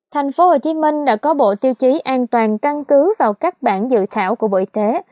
tp hcm đã có bộ tiêu chí an toàn căn cứ vào các bản dự thảo của bộ y tế